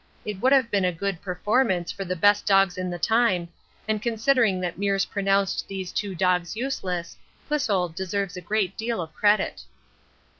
It would have been a good performance for the best dogs in the time, and considering that Meares pronounced these two dogs useless, Clissold deserves a great deal of credit.